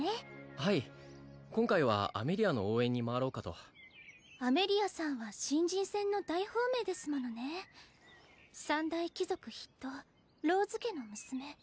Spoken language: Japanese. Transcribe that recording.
はい今回はアメリアの応援に回ろうかとアメリアさんは新人戦の大本命ですものね三大貴族筆頭ローズ家の娘